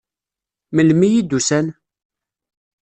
Melmi i d-usan?